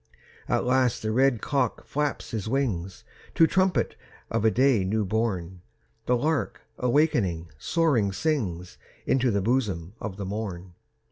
At last the red cock flaps his wings To trumpet of a day new born. The lark, awaking, soaring sings Into the bosom of the morn.